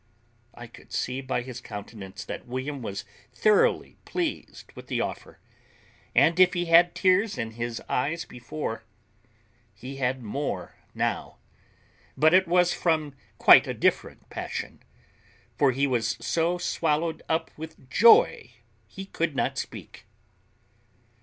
I could see by his countenance that William was thoroughly pleased with the offer; and if he had tears in his eyes before, he had more now; but it was from quite a different passion; for he was so swallowed up with joy he could not speak.